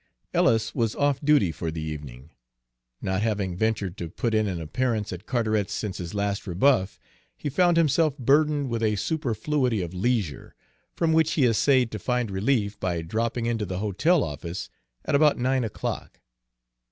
Ellis was off duty for the evening. Not having ventured to put in an appearance at Carteret's since his last rebuff, he found himself burdened with a superfluity of leisure, from which he essayed to find relief by dropping into the hotel office at about nine o'clock.